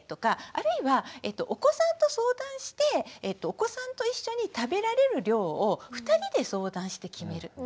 あるいはお子さんと相談してお子さんと一緒に食べられる量を２人で相談して決める。